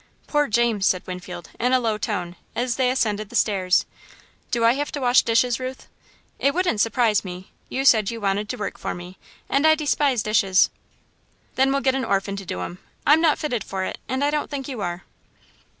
"Poor James," said Winfield, in a low tone, as they ascended the stairs. "Do I have to wash dishes, Ruth?" "It wouldn't surprise me. You said you wanted to work for me, and I despise dishes." "Then we'll get an orphan to do 'em. I'm not fitted for it, and I don't think you are."